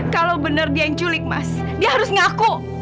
kalau benar dia yang culik mas dia harus ngaku